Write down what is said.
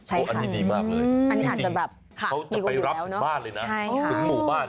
ใช่ค่ะอันนี้ดีมากเลยจริงเขาจะไปรับถึงบ้านเลยนะถึงหมู่บ้าน